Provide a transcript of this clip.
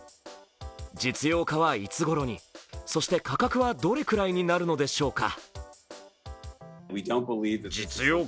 実用化はいつごろに、そして価格はどれくらいになるのでしょうか。